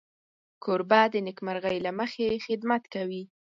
کوربه د نېکمرغۍ له مخې خدمت کوي.